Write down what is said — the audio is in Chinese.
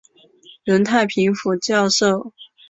任太平府教授。